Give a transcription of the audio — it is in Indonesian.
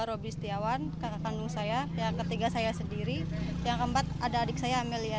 roby setiawan kakak kandung saya yang ketiga saya sendiri yang keempat ada adik saya amelia